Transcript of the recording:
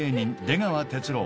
出川哲朗